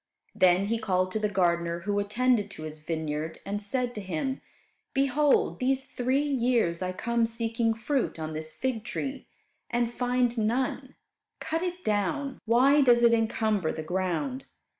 Then he called to the gardener who attended to his vineyard, and said to him, "Behold these three years I come seeking fruit on this fig tree, and find none. Cut it down. Why does it encumber the ground?"